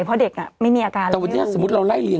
เพราะเด็กอ่ะไม่มีอาการแล้วไม่รู้